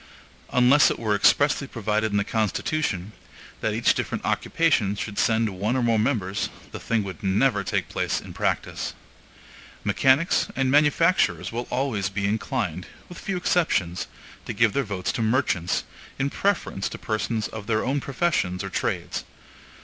Unless it were expressly provided in the Constitution, that each different occupation should send one or more members, the thing would never take place in practice. Mechanics and manufacturers will always be inclined, with few exceptions, to give their votes to merchants, in preference to persons of their own professions or trades.